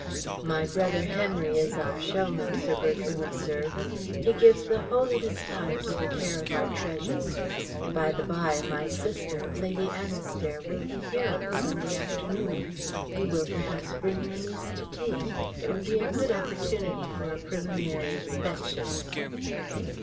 "My brother Henry is our showman," Sir Bertram observed. "He gives the whole of his time to the care of our treasures. By the by, my sister Lady Annistair will be here on Sunday afternoon. You will, perhaps, bring your niece to tea. It would be a good opportunity for a preliminary inspection."